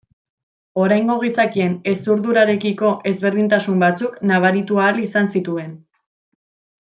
Oraingo gizakien hezurdurarekiko ezberdintasun batzuk nabaritu ahal izan zituen.